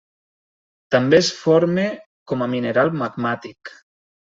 També es forma com a mineral magmàtic.